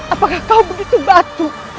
apakah kau begitu batu